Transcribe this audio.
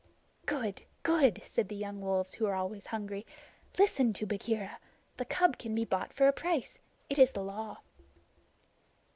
"Good! Good!" said the young wolves, who are always hungry. "Listen to Bagheera. The cub can be bought for a price. It is the Law."